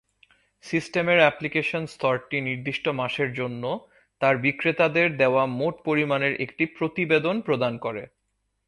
সিস্টেমের অ্যাপ্লিকেশন স্তরটি নির্দিষ্ট মাসের জন্য তার বিক্রেতাদের দেওয়া মোট পরিমাণের একটি প্রতিবেদন প্রদান করে।